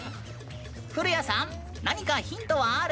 古谷さん何かヒントはある？